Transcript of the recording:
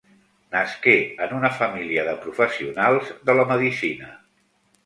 Nasqué en una família de professionals de la medicina.